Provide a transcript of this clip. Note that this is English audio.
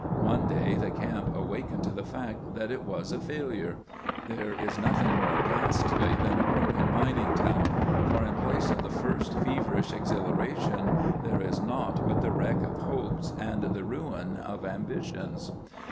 One day the camp awakened to the fact that it was a failure. There is nothing more ghastly than a broken mining town, for in place of the first feverish exhilaration there is naught but the wreck of hopes and the ruin of ambitions.